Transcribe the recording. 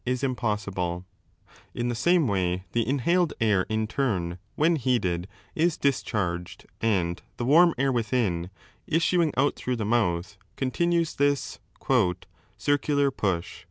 Plato's theory 297 inhaled air in turn, when heated, is discharged and the warm air within, issuing out through the mouth, continues this ' circular push.'